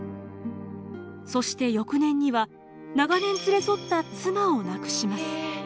そして翌年には長年連れ添った妻を亡くします。